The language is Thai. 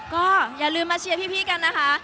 ก็อย่าลืมมาเชียร์พี่กันนะคะ